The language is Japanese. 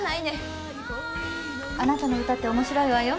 あなたの歌って面白いわよ。